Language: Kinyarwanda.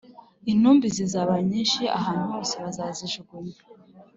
intumbi zizaba nyinshi ahantu hose bazazijugunya